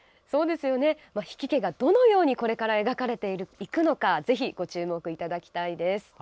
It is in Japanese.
比企家がどのようにこれから描かれていくのかぜひご注目いただきたいです。